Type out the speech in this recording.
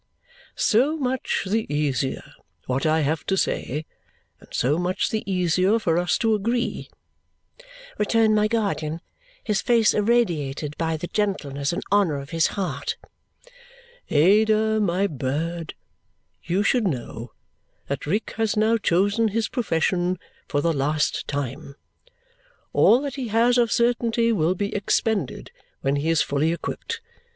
"So much the easier what I have to say, and so much the easier for us to agree," returned my guardian, his face irradiated by the gentleness and honour of his heart. "Ada, my bird, you should know that Rick has now chosen his profession for the last time. All that he has of certainty will be expended when he is fully equipped.